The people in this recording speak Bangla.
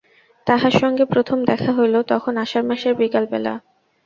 তাহার সঙ্গে প্রথম দেখা হইল, তখন আষাঢ়মাসের বিকালবেলা।